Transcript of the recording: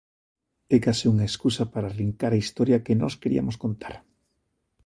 É case unha escusa para arrincar a historia que nós queriamos contar.